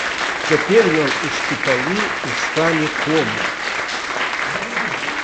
Цяпер ён у шпіталі ў стане комы.